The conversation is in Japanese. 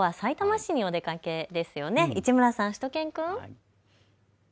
市村さん、しゅと犬くん。